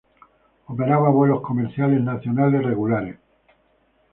Operaba vuelos comerciales nacionales regulares.